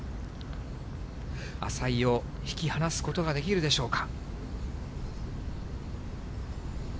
淺井を引き離すことができるでしょうか。